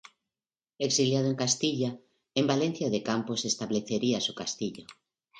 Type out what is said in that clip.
Exiliado en Castilla, en Valencia de Campos establecería su castillo.